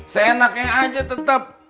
seenaknya aja tetep